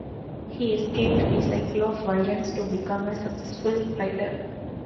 He escaped the cycle of violence to become a successful writer.